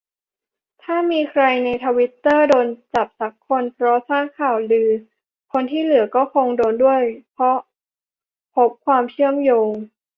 ถ้ามีใครในทวิตเตอร์โดนจับซักคน เพราะสร้างข่าวลือ คนที่เหลือก็คงโดนด้วย เพราะพบ"ความเชื่อมโยง"